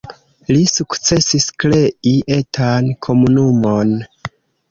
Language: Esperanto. Li sukcesis krei etan komunumon.